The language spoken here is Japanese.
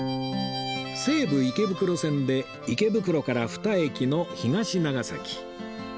西武池袋線で池袋から２駅の東長崎